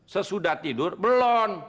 sesudah tidur belon